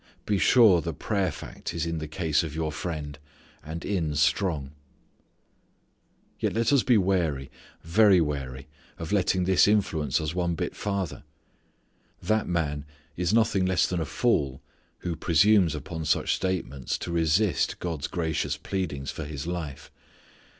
Be sure the prayer fact is in the case of your friend, and in strong. Yet let us be wary, very wary of letting this influence us one bit farther. That man is nothing less than a fool who presumes upon such statements to resist God's gracious pleadings for his life.